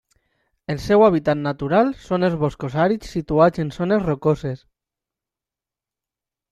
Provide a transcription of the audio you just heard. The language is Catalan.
El seu hàbitat natural són els boscos àrids situats en zones rocoses.